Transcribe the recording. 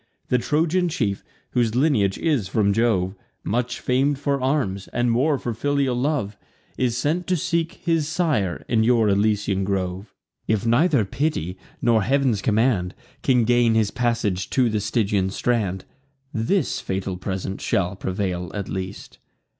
The Trojan chief, whose lineage is from Jove, Much fam'd for arms, and more for filial love, Is sent to seek his sire in your Elysian grove. If neither piety, nor Heav'n's command, Can gain his passage to the Stygian strand, This fatal present shall prevail at least."